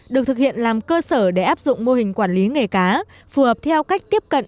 được thực hiện làm cơ sở để áp dụng mô hình quản lý nghề cá phù hợp theo cách tiếp cận